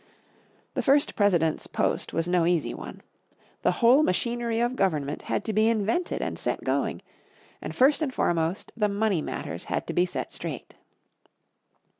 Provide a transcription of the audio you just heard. The first President's post was no easy one. The whole machinery of government had to be invented and set going, and first and foremost the money matters had to be set straight.